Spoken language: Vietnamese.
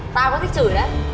tao có thích chửi đấy